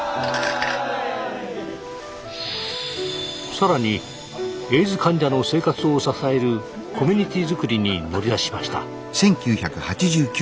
さらにエイズ患者の生活を支えるコミュニティーづくりに乗り出しました。